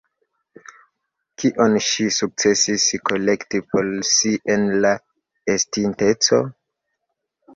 Kion ŝi sukcesis kolekti por si en la estinteco?